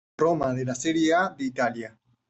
Roma de la Serie A de Italia.